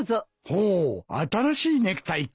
ほう新しいネクタイか。